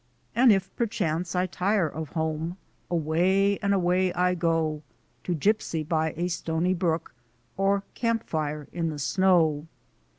And if perchance I tire of home Away and away I go — To gypsy by a stony brook, Or camp fire in the snow.